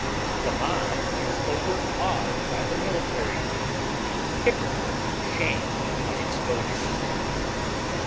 The mob is overawed by the military, the hypocrite shamed by exposure.